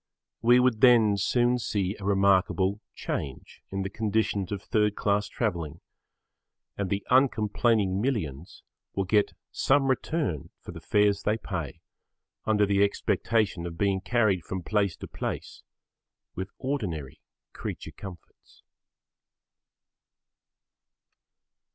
We would then soon see a remarkable change in the conditions of third class travelling and the uncomplaining millions will get some return for the fares they pay under the expectation of being carried from place to place with ordinary creature comforts.